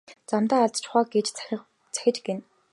Замдаа алдчихав аа гэж захиж гэнэ.